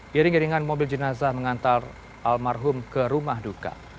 diring diringan mobil jenazah mengantar almarhum ke rumah duka